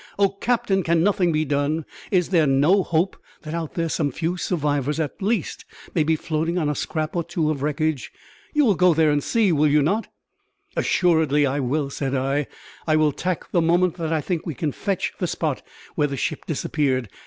"Oh, captain, can nothing be done? Is there no hope that out there some few survivors at least may be floating on a scrap or two of wreckage? You will go there and see, will you not?" "Assuredly I will," said I. "I will tack the moment that I think we can fetch the spot where the ship disappeared.